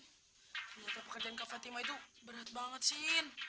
ternyata pekerjaan kak fatima itu berat banget sih